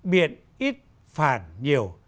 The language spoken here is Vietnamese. biện ít phản nhiều